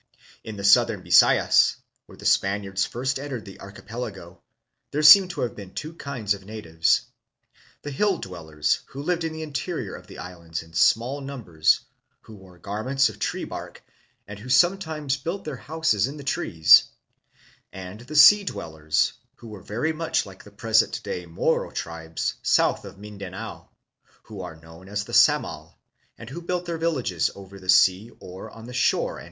In the southern Bi sayas, where the Spaniards first entered the archipelago, there seem to have been two kinds of natives: the hill dwellers, who lived in the interior of the islands in small numbers, who wore garments of tree bark and who some times built their houses in the trees: and the sea dwellers, who were very much like the present day Moro tribes south of Mindanao, who are known as the Samal, and who built their villages over the sea or on the shore and 90 THE PHILIPPINES.